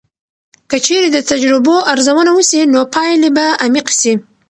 که چیرې د تجربو ارزونه وسي، نو پایلې به عمیقې سي.